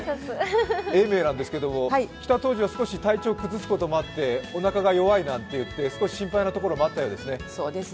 永明なんですけれども、来た当時は少し体調を崩すこともあっておなかが弱いなんていって、少し心配なところもあったようですね？